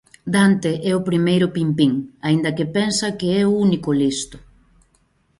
Dante é o primeiro pimpín, aínda que pensa que é o único listo.